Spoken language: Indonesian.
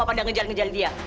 apa pada ngejali ngejali dia